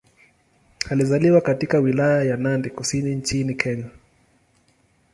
Alizaliwa katika Wilaya ya Nandi Kusini nchini Kenya.